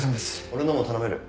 俺のも頼める？